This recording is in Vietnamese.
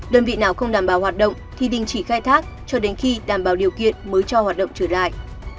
đơn vị nào không đảm bảo hoạt động thì đình chỉ khai thác cho đến khi đảm bảo điều kiện mới cho hoạt động trở lại